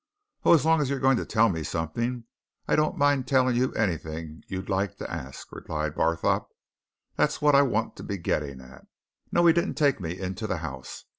"Oh, as long as you're going to tell me something I don't mind telling you anything you like to ask," replied Barthorpe. "That's what I want to be getting at. No he didn't take me into the house.